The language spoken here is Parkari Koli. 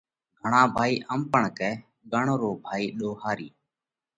گھڻا ڀائِي ام پڻ ڪئه: ڳڻ رو ڀائِي ۮوهارِي۔